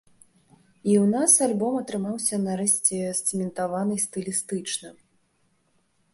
І ў нас альбом атрымаўся нарэшце сцэментаваны стылістычна.